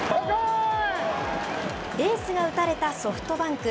エースが打たれたソフトバンク。